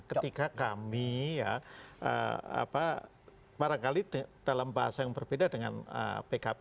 ketika kami ya barangkali dalam bahasa yang berbeda dengan pkb